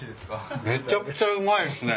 めちゃくちゃうまいですね。